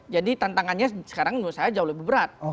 jadi tantangannya sekarang menurut saya jauh lebih berat